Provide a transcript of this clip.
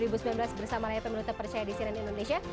bersama layak pemilu tepersia di siren indonesia